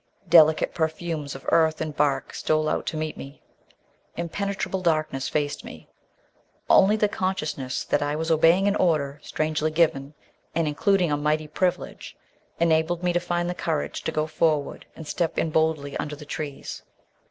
Delicate perfumes of earth and bark stole out to meet me. Impenetrable darkness faced me. Only the consciousness that I was obeying an order, strangely given, and including a mighty privilege, enabled me to find the courage to go forward and step in boldly under the trees.